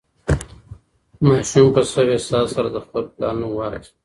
ماشوم په سوې ساه سره د خپل پلار نوم واخیست.